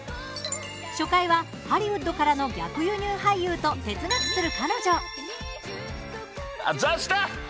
初回は、ハリウッドからの逆輸入俳優と、哲学する彼女。